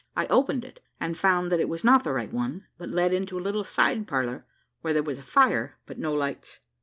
I opened it, and found that it was not the right one, but led into a little side parlour, where there was a fire, but no lights.